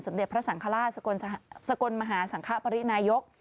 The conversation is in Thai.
เด็จพระสังฆราชสกลมหาสังคปรินายก